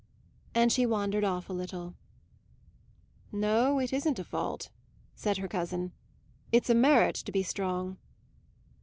And she wandered off a little. "No, it isn't a fault," said her cousin. "It's a merit to be strong."